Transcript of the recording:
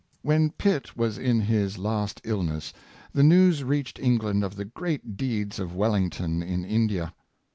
When Pitt was in his last illness, the news reached England of the great deeds of Wellington in India.